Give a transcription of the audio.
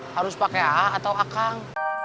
harus pakai a atau akang